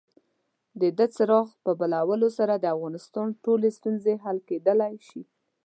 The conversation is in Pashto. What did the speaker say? د دغه څراغ په بلولو سره د افغانستان ټولې ستونزې حل کېدلای شي.